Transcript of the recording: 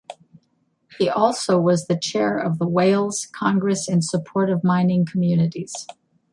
He also was the chair of the Wales Congress in Support of Mining Communities.